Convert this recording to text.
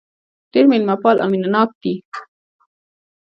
ډېر مېلمه پال او مينه ناک دي.